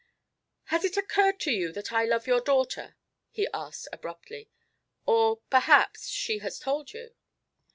"Has it occurred to you that I love your daughter?" he asked, abruptly. "Or perhaps she has told you?"